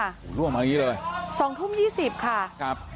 โหร่วมมาแบบนี้เลยสองทุ่มยี่สี่สิบค่ะครับ